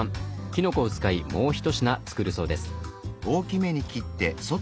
きのこを使いもう１品作るそうです。